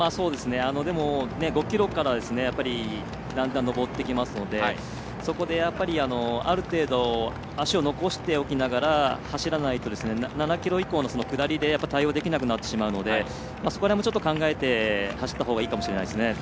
５ｋｍからやっぱり、だんだん上っていきますのでそこである程度足を残しておきながら走らないと、７ｋｍ以降の下りで対応できなくなってしまうのでそこら辺も考えて走ったほうがいいかもしれませんね。